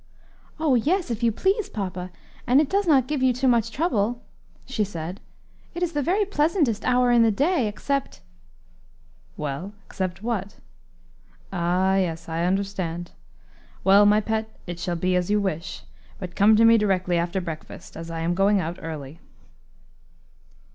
"Oh! yes, if you please, papa, and it does not give you too much trouble," she said. "It is the very pleasantest hour in the day, except " "Well, except what? Ah, yes, I understand. Well, my pet, it shall be as you wish; but come to me directly after breakfast, as I am going out early."